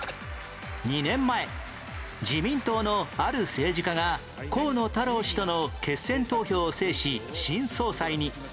２年前自民党のある政治家が河野太郎氏との決選投票を制し新総裁に